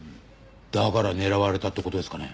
だから狙われたって事ですかね？